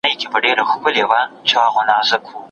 د ټولني هر اړخ باید په پام کي ونیول سي.